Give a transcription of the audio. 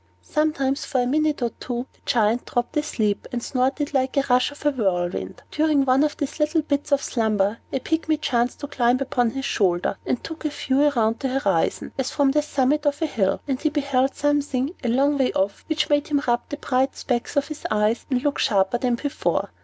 Sometimes, for a minute or two, the Giant dropped asleep, and snored like the rush of a whirlwind. During one of these little bits of slumber, a Pygmy chanced to climb upon his shoulder, and took a view around the horizon, as from the summit of a hill; and he beheld something, a long way off, which made him rub the bright specks of his eyes, and look sharper than before.